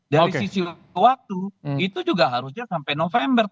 dari sisi waktu itu juga harusnya sampai november